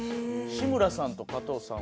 志村さんと加藤さん